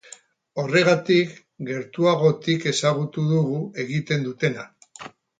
Horregatik, gertuagotik ezagutu dugu egiten dutena.